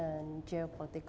dan kegagalan geopolitik